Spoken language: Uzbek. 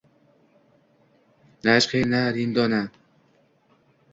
Na ishqiy, na rindona…